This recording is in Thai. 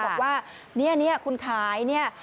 บอกว่าเนี่ยคุณขายเนี่ย